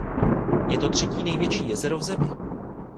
Je to třetí největší jezero v zemi.